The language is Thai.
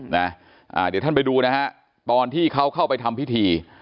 เดี๋ยวท่านไปดูนะฮะตอนที่เขาเข้าไปทำพิธี